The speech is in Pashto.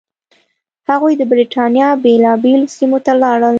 هغوی د برېټانیا بېلابېلو سیمو ته لاړل.